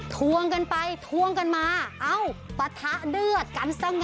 ทวงกันไปทวงกันมาเอ้าปะทะเดือดกันซะงั้น